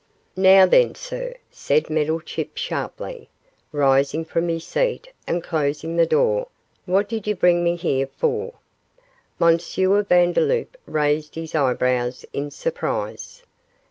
'Now, then, sir,' said Meddlechip, sharply, rising from his seat and closing the door, 'what did you bring me here for?' M. Vandeloup raised his eyebrows in surprise.